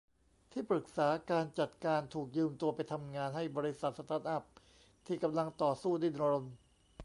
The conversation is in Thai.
ที่ปรึกษาการจัดการถูกยืมตัวไปทำงานให้บริษัทสตาร์ตอัพที่กำลังต่อสู้ดิ้นรน